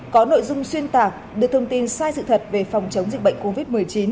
có nội dung xuyên tạc đưa thông tin sai sự thật về phòng chống dịch bệnh covid một mươi chín